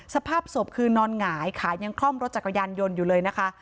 สภาพศพคือนอนหงายขายังคล่อมรถจักรยานยนต์อยู่เลยนะคะ